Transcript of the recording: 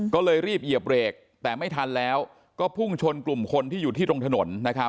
ก็เลยรีบเหยียบเบรกแต่ไม่ทันแล้วก็พุ่งชนกลุ่มคนที่อยู่ที่ตรงถนน